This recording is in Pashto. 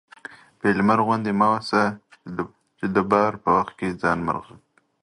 فيل مرغ غوندي مه سه چې د بار په وخت کې ځان مرغ